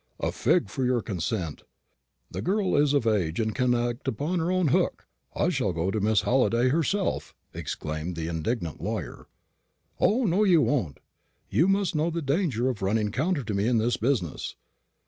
"A fig for your consent! The girl is of age, and can act upon her own hook. I shall go to Miss Halliday herself," exclaimed the indignant lawyer. "O no, you won't. You must know the danger of running counter to me in this business.